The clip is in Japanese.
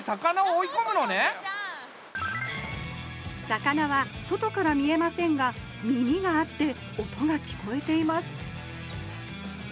魚は外から見えませんが耳があって音が聞こえています